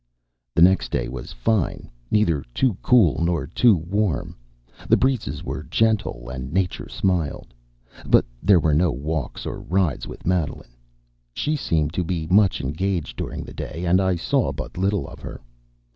The next day was fine, neither too cool nor too warm; the breezes were gentle, and nature smiled. But there were no walks or rides with Madeline. She seemed to be much engaged during the day, and I saw but little of her.